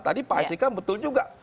tadi pak asyika betul juga